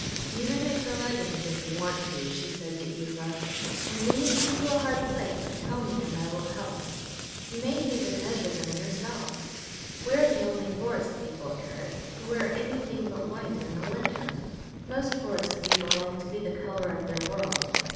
"You may make the leggins, if you want to," she said to Ivra, "and when you come to a hard place tell me and I will help. You may even measure them yourself.... We're the only Forest People, Eric, who wear anything but white in the winter. Most Forest People like to be the color of their world.